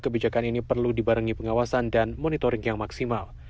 kebijakan ini perlu dibarengi pengawasan dan monitoring yang maksimal